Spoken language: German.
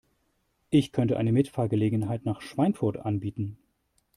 Ich könnte eine Mitfahrgelegenheit nach Schweinfurt anbieten